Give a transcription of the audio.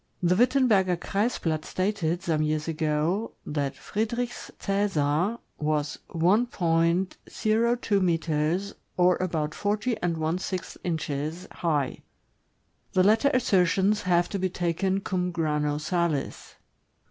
The Witten berger Kreisblatt stated, some years ago, that Friedrich's Csesar was 1.02 meters, or about forty and one sixth inches, high. The latter assertions have to be taken cum grano sails.